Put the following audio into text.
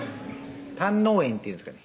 胆嚢炎っていうんですかね